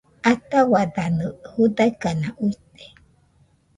Ataua danɨ judaɨkana uite